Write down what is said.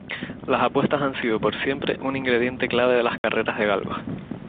Las apuestas han sido por siempre un ingrediente clave de las carreras de galgos.